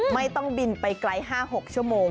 ไม่ต้องบินไปไกล๕๖ชั่วโมง